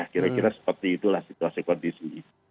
kira kira seperti itulah situasi kondisi